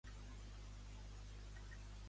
L'altre dia el vaig veure per Casinos.